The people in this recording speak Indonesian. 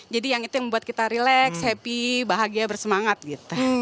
jadi yang itu yang membuat kita relax happy bahagia bersemangat gitu